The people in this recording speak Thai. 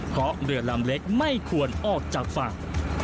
เพราะเรือลำเล็กไม่ควรออกจากฝั่ง